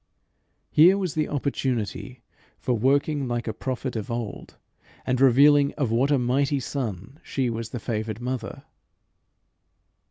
Here was the opportunity for working like a prophet of old, and revealing of what a mighty son she was the favoured mother.